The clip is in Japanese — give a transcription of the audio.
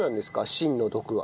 芯の毒は。